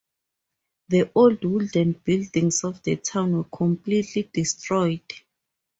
The old wooden buildings of the town were completely destroyed.